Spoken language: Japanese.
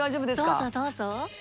どうぞどうぞ。